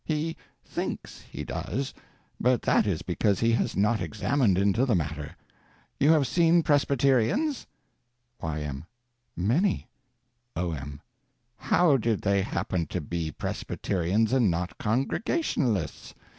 He _thinks _he does, but that is because he has not examined into the matter. You have seen Presbyterians? Y.M. Many. O.M. How did they happen to be Presbyterians and not Congregationalists?